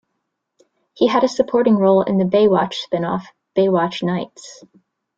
He had a supporting role in the "Baywatch" spin-off, "Baywatch Nights".